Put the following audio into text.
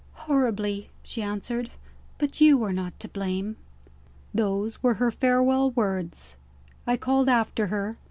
"Horribly," she answered; "but you are not to blame." Those were her farewell words. I called after her.